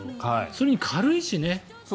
それに軽いしね。